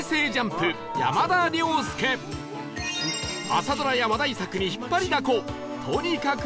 朝ドラや話題作に引っ張りだことにかく